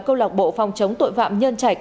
công lạc bộ phòng chống tội phạm nhơn trạch